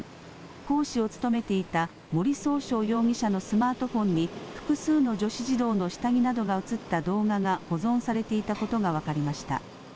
講師を務めていた森崇翔容疑者のスマートフォンに、複数の女子児童の下着などが写った動画が保存されていたことが分かりました。